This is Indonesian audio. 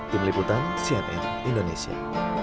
tim liputan cnn indonesia